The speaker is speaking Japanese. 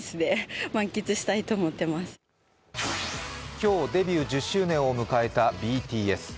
今日デビュー１０周年を迎えたＢＴＳ。